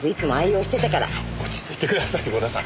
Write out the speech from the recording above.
落ち着いてください郷田さん。